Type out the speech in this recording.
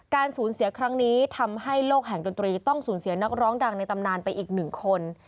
สูญเสียครั้งนี้ทำให้โลกแห่งดนตรีต้องสูญเสียนักร้องดังในตำนานไปอีกหนึ่งคน